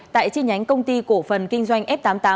tại chi nhánh công ty cổ phần kinh doanh f tám mươi tám